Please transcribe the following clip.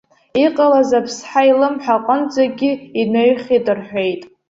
Иҟалаз аԥсҳа илымҳа аҟынӡагьы инаҩхьеит рҳәеит.